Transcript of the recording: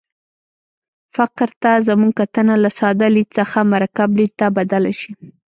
فقر ته زموږ کتنه له ساده لید څخه مرکب لید ته بدله شي.